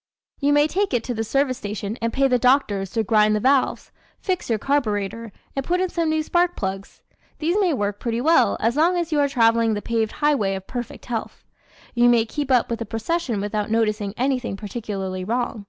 ¶ You may take it to the service station and pay the doctors to grind the valves, fix your carbureter and put in some new spark plugs. These may work pretty well as long as you are traveling the paved highway of Perfect Health; you may keep up with the procession without noticing anything particularly wrong.